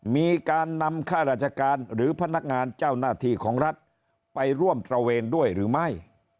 มีการนำข้าราชการหรือพนักงานเจ้าหน้าที่ของรัฐไปร่วมตระเวนด้วยหรือไม่